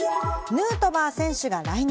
ヌートバー選手が来日。